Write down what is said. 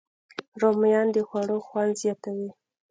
رومیان د خوړو خوند زیاتوي